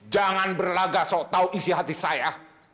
jangan berlagak soal tahu isi hati saya